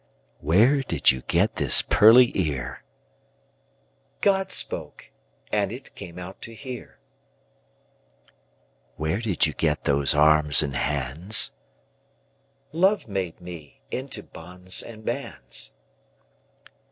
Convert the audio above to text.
Where did you get this pearly ear? God spoke, and it came out to hear. Where did you get those arms and hands? Love made itself into bonds and bands.